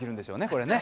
これね。